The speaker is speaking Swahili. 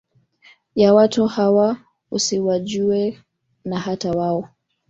ya watu hawa usiwajue na hata wao